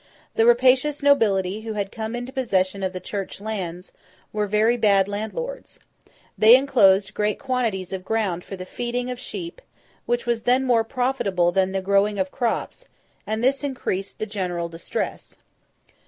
The rapacious nobility who had come into possession of the Church lands, were very bad landlords. They enclosed great quantities of ground for the feeding of sheep, which was then more profitable than the growing of crops; and this increased the general distress.